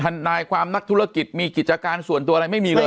นายความนักธุรกิจมีกิจการส่วนตัวอะไรไม่มีเลย